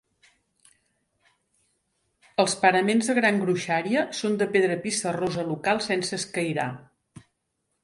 Els paraments de gran gruixària són de pedra pissarrosa local sense escairar.